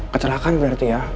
kecelakaan berarti ya